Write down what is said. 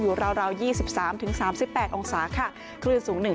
อยู่ราวยี่สิบสามถึงสามสิบแปดองศาค่ะคลื่นสูงหนึ่ง